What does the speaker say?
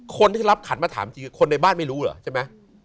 คนที่รับขันมาถามจริงคนในบ้านไม่รู้เหรอใช่ไหม